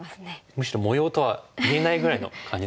むしろ模様とは言えないぐらいの感じですよね。